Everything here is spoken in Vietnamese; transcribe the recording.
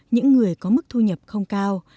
những người có mức thu nhập không cao